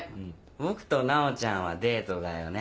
僕と奈央ちゃんはデートだよね